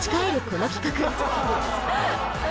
この企画。